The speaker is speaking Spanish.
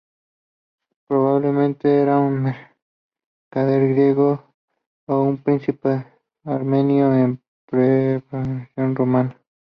Probablemente era un mercader griego, o un príncipe armenio en peregrinación a Roma.